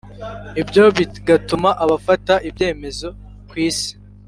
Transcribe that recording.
Ibyo bigatuma abafata ibyemezo ku isi